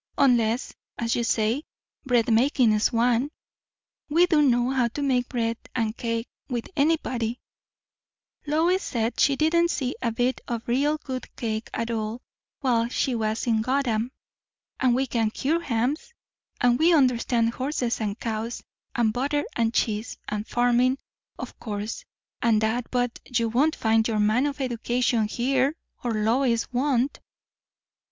Unless, as you say, bread makin's one. We do know how to make bread, and cake, with anybody; Lois said she didn't see a bit o' real good cake all the while she was in Gotham; and we can cure hams, and we understand horses and cows, and butter and cheese, and farming, of course, and that; but you won't find your man of education here, or Lois won't."